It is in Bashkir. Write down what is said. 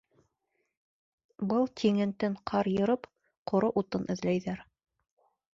Бил тиңентен ҡар йырып, ҡоро утын эҙләйҙәр.